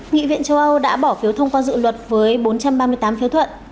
nghị viện châu âu đã bỏ phiếu thông qua dự luật với bốn trăm ba mươi tám phiếu thuận